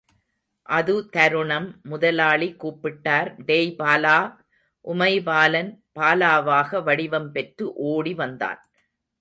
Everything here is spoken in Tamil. அது தருணம், முதலாளி கூப்பிட்டார் டேய் பாலா! உமைபாலன், பாலாவாக வடிவம் பெற்று ஓடி வந்தான்.